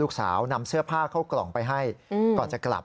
นำเสื้อผ้าเข้ากล่องไปให้ก่อนจะกลับ